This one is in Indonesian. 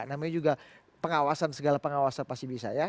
namanya juga pengawasan segala pengawasan pasti bisa ya